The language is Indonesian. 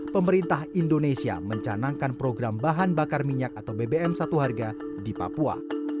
pemerintah indonesia mencanangkan program bahan bakar minyak atau bbm satu harga di papua